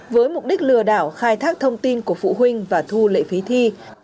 với mục đích lừa đảo khai thác thông tin của phụ huynh và thu lệ phí thi